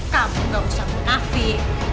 kamu gak usah mengnafik